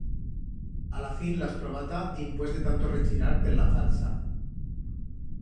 A la fin l'has trobata dimpués de tanto rechirar per la falsa.